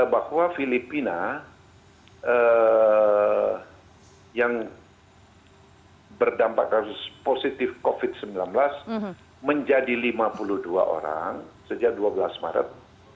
bahwa filipina yang berdampak kasus positif covid sembilan belas menjadi lima puluh dua orang sejak dua belas maret